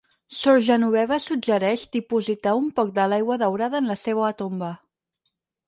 Sor Genoveva suggereix dipositar un poc de l'aigua daurada en la seua tomba.